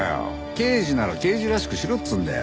刑事なら刑事らしくしろっつーんだよ。